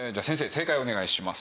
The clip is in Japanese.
正解をお願いします。